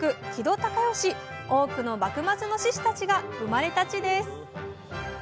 多くの幕末の志士たちが生まれた地です。